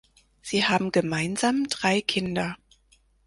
Sie haben gemeinsam drei Kinder.